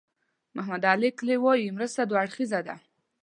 محمد علي کلي وایي مرسته دوه اړخیزه ده.